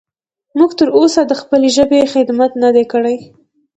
موږ تر اوسه د خپلې ژبې خدمت نه دی کړی.